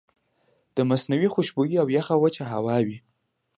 مصنوعي خوشبويئ او يخه وچه هوا وي